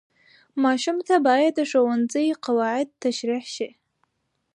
ماشوم ته باید د ښوونځي قواعد تشریح شي.